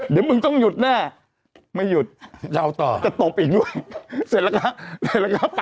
เดี๋ยุ่มต้องหยุดแน่ไม่หยุดแต่โต๊ปอีกนึง